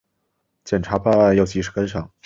检察办案要及时跟上